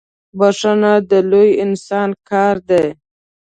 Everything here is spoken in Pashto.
بخښنه د لوی انسان کار دی.